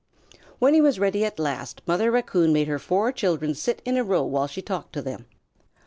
When he was ready at last, Mother Raccoon made her four children sit in a row while she talked to them.